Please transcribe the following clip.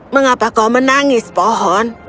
mengapa kau menangis pohon